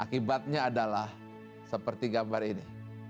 akibatnya adalah seperti gambar ini